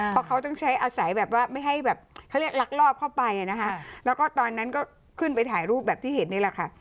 เพราะเขาต้องใช้อาศัยแบบว่าไม่ให้แบบเขาเรียกลักลอบเข้าไปนะคะแล้วก็ตอนนั้นก็ขึ้นไปถ่ายรูปแบบที่เห็นนี่แหละค่ะ